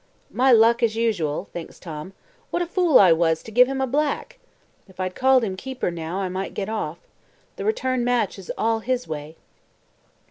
"My luck as usual," thinks Tom; "what a fool I was to give him a black! If I'd called him 'keeper,' now, I might get off. The return match is all his way."